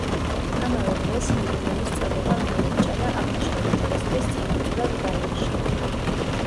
ამავე დღეს იღუმენის წოდება მიენიჭა და აღნიშნული მონასტრის წინამძღვრად დაინიშნა.